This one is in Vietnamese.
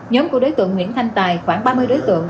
nhóm của đối tượng nguyễn thanh tài khoảng ba mươi đối tượng